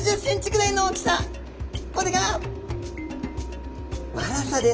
これがわらさです。